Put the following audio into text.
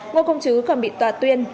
ngô công chứ còn bị tòa tuyên